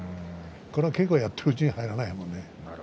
稽古をやっているうちに入らないものね。